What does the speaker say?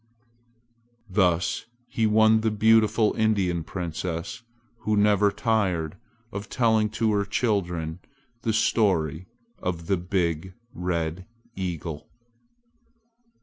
Thus he won the beautiful Indian princess who never tired of telling to her children the story of the big red eagle.